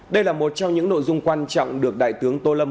đây là một trong những nội dung quan trọng được đại tướng tô lâm